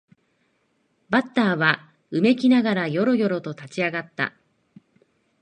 バッターはうめきながらよろよろと立ち上がった